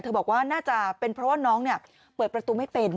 บอกว่าน่าจะเป็นเพราะว่าน้องเปิดประตูไม่เป็น